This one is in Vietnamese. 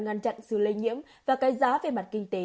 ngăn chặn sự lây nhiễm và cái giá về mặt kinh tế